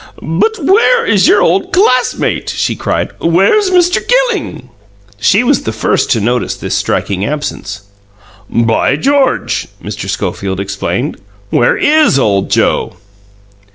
"But where is your old classmate?" she cried. "Where's Mr. Gilling?" She was the first to notice this striking absence. "By George!" Mr. Schofield exclaimed. "Where IS old Joe?"